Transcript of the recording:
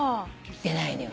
出ないのよ。